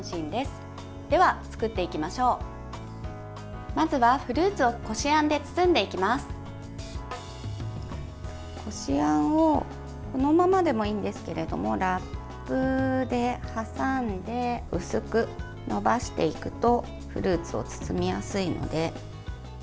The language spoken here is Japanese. こしあんを、このままでもいいんですけれどもラップで挟んで薄くのばしていくとフルーツを包みやすいので。